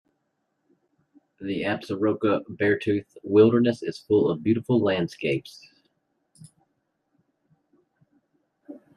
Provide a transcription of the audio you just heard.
The Absaroka-Beartooth Wilderness is full of beautiful landscapes.